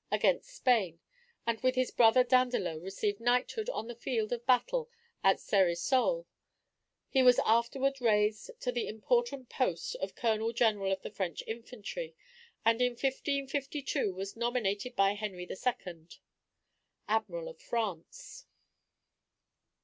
against Spain; and with his brother Dandelot received knighthood on the field of battle at Cerisoles. He was afterward raised to the important post of colonel general of the French infantry, and in 1552 was nominated by Henry II. Admiral of France.